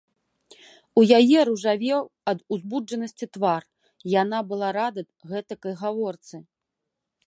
У яе ружавеў ад узбуджанасці твар, яна была рада гэтакай гаворцы.